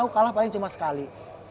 kalah paling cuma sekali